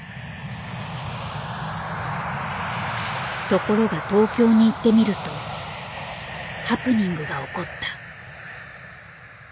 ところが東京に行ってみるとハプニングが起こった。